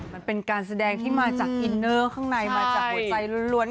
มันเป็นการแสดงที่มาจากอินเนอร์ข้างใน